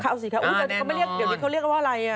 เขาสิครับเดี๋ยวเขาเรียกว่าอะไร